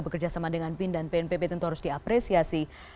bekerjasama dengan pin dan pnpp tentu harus diapresiasi